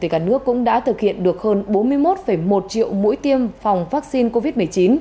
cả nước cũng đã thực hiện được hơn bốn mươi một một triệu mũi tiêm phòng vaccine covid một mươi chín